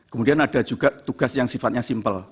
kemudian ada juga tugas yang sifatnya simpel